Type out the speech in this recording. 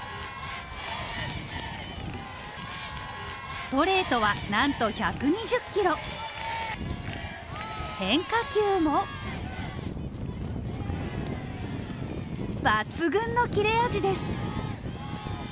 ストレートはなんと１２０キロ変化球も抜群の切れ味です。